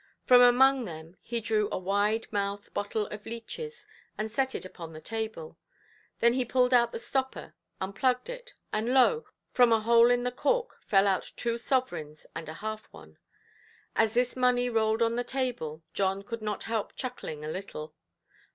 From among them he drew a wide–mouthed bottle of leeches, and set it upon the table. Then he pulled out the stopper, unplugged it, and lo! from a hole in the cork fell out two sovereigns and a half one. As this money rolled on the table, John could not help chuckling a little.